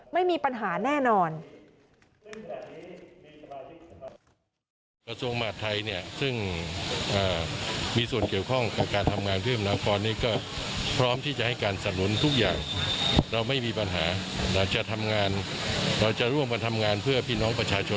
ไม่มีปัญหาแน่นอน